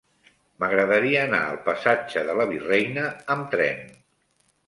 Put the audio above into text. M'agradaria anar al passatge de la Virreina amb tren.